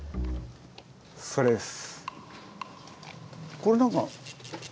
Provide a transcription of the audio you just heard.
それです。